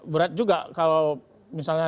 berat juga kalau misalnya